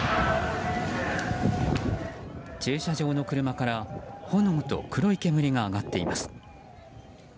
駐車場の車から炎と黒い煙が上がっています。